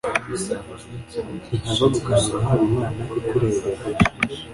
Ntihaba gukanura haba Imana ikurebera